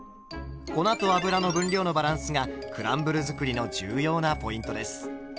粉と油の分量のバランスがクランブル作りの重要なポイントです。